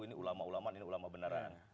ini ulama ulama ini ulama beneran